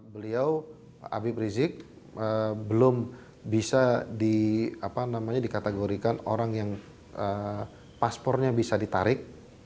beliau habib rizik belum bisa dikategorikan orang yang paspornya bisa ditarik